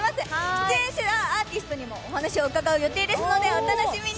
出演者アーティストにもお話を伺う予定ですので、お楽しみに。